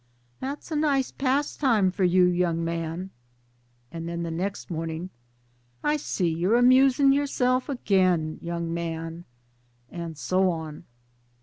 " That's a nice pastime for you, young man." And then the next morning, " I see you're amusin' yoursen again, young man "; and so on.